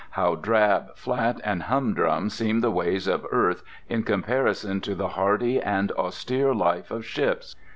How drab, flat, and humdrum seem the ways of earth in comparison to the hardy and austere life of ships!